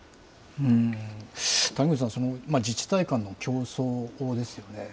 谷口さん、その自治体間の競争ですよね。